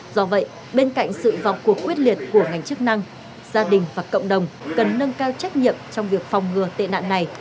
do vậy bên cạnh sự vào cuộc quyết liệt của ngành chức năng gia đình và cộng đồng cần nâng cao trách nhiệm trong việc phòng ngừa tệ nạn này